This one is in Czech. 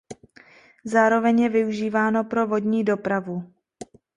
Zároveň je využíváno pro vodní dopravu.